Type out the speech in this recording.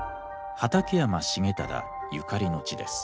畠山重忠ゆかりの地です。